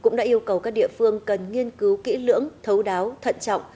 cũng đã yêu cầu các địa phương cần nghiên cứu kỹ lưỡng thấu đáo thận trọng